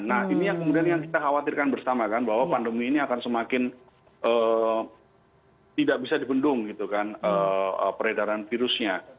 nah ini yang kemudian yang kita khawatirkan bersama kan bahwa pandemi ini akan semakin tidak bisa dibendung gitu kan peredaran virusnya